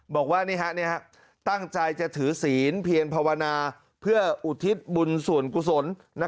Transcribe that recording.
บอกว่าตั้งใจจะถือศีลเพียรภาวนาเพื่ออุทิศบุญส่วนกุศล